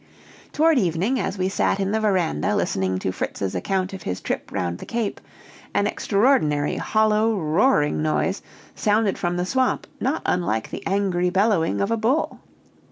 Toward evening, as we sat in the veranda listening to Fritz's account of his trip round the Cape, an extraordinary hollow, roaring noise sounded from the swamp not unlike the angry bellowing of a bull.